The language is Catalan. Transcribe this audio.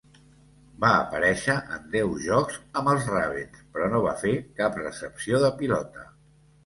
Va aparèixer en deu jocs amb els Ravens, però no va fer cap recepció de pilota.